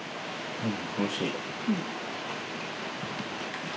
うん。